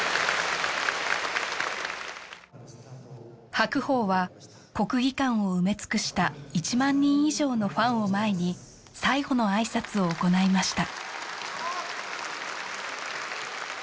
白鵬は国技館を埋め尽くした１万人以上のファンを前に最後の挨拶を行いました